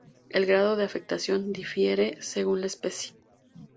El grado de afectación difiere según la especie.